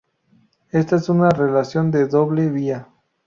Esta es una relación de doble vía.